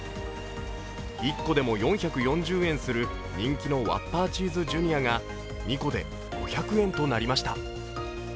１個でも４４０円する人気のワッパ−チーズＪｒ．が２個で５００円となりました。